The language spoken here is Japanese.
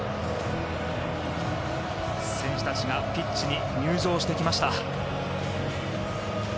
選手たちがピッチに入場してきました。